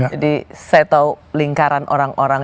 jadi saya tau lingkaran orang orang